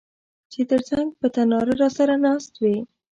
چي تر څنګ په تناره راسره ناست وې